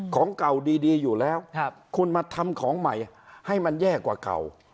ของเก่าดีอยู่แล้วคุณมาทำของใหม่ให้มันแย่กว่าเก่า